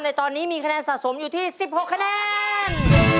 ในตอนนี้มีคะแนนสะสมอยู่ที่๑๖คะแนน